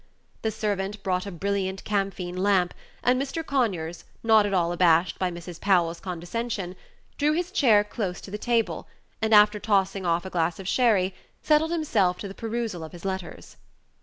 The servant brought a brilliant camphene lamp, and Mr. Conyers, not at all abashed by Mrs. Powell's condescension, drew his chair close to the table, and, after tossing off a glass of sherry, settled himself to the perusal of his letters.